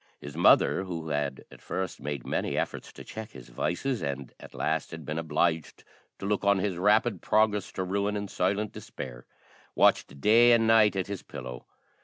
His mother, who had at first made many efforts to check his vices, and at last had been obliged to look on at his rapid progress to ruin in silent despair, watched day and night at his pillow.